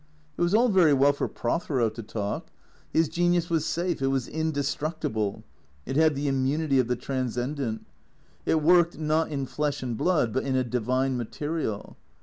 It was all very well for Prothero to talk. His genius was safe, it was indestructible. It had the immunity of the tran scendent. It worked, not in flesh and blood, but in a divine material.